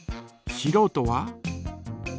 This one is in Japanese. しろうとは？